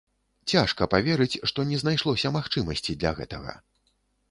Цяжка паверыць, што не знайшлося магчымасці для гэтага.